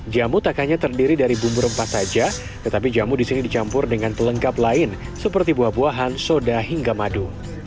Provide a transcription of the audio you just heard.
jamu tak hanya terdiri dari bumbu rempah saja tetapi jamu di sini dicampur dengan pelengkap lain seperti buah buahan soda hingga madu